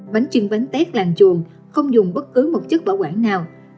bánh trưng bánh tét làng chuồng không dùng bất cứ một chất bảo quản nào